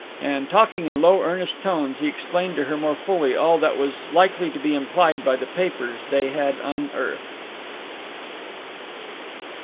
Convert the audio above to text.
And talking in low, earnest tones, he explained to her more fully all that was likely to be implied by the papers they had unearthed.